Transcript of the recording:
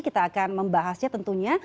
kita akan membahasnya tentunya